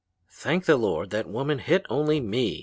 "'Thank the Lord that woman hit only me!'